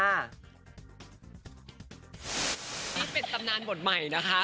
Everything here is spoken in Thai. นี่เป็นตำนานบทใหม่นะคะ